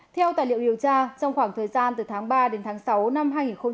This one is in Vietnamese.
theo tài liệu điều tra trong khoảng thời gian từ tháng ba đến tháng sáu năm hai nghìn hai mươi